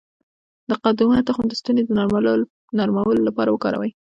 د قدومه تخم د ستوني د نرمولو لپاره وکاروئ